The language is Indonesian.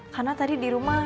karena tadi di rumah